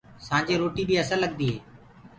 سآنجي روٽي بي اسل لگدي هي۔